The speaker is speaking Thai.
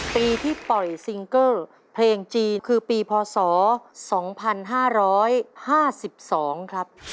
ปีที่ปล่อยซิงเกอร์เพลงจีคือปีพศ๒๕๕๒ครับ